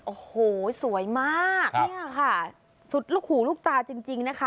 โอ้โหสวยมากเนี่ยค่ะสุดลูกหูลูกตาจริงนะคะ